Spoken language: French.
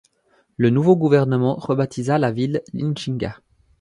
Le nouveau gouvernement rebaptisa la ville Lichinga.